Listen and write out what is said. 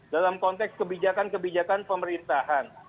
dalam konteks kebijakan kebijakan pemerintahan